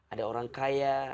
ada orang kaya